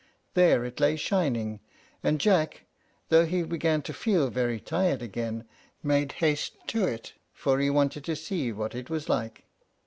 There it lay shining; and Jack, though he began to feel very tired again, made haste to it, for he wanted to see what it was like.